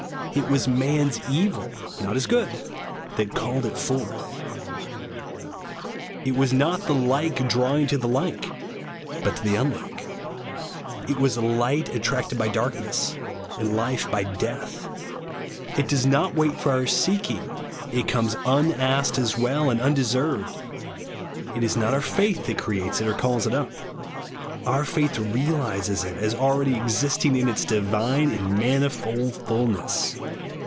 It was man's evil, not his good, that called it forth. It was not the like drawing to the like, but to the unhke ; it was light attracted by darkness, and life by death. It does not wait for our seek ing, it comes unasked as well as un deserved. It is not our faith that creates it or calls it up ; our faith realises it as already existing in its divine and manifold fulness.